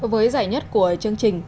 với giải nhất của chương trình